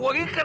gua gak tahu